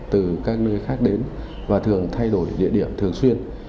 từ các nơi khác đến và thường thay đổi địa điểm thường xuyên